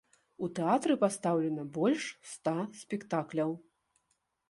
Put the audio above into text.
У тэатры пастаўлена больш ста спектакляў.